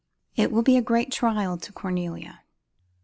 "It will be a great trial to Cornelia."